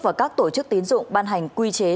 và các tổ chức tín dụng ban hành quy chế